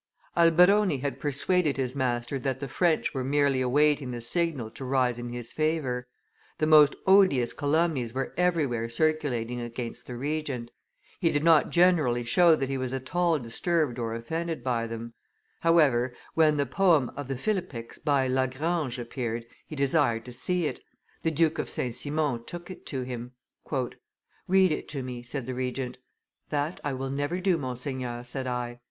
Alberoni had persuaded his master that the French were merely awaiting the signal to rise in his favor; the most odious calumnies were everywhere circulating against the Regent; he did not generally show that he was at all disturbed or offended by them; however, when the poem of the Philippics by La Grange appeared, he desired to see it; the Duke of St. Simon took it to him. "'Read it to me,' said the Regent. 'That I will never do, Monseigneur,' said I.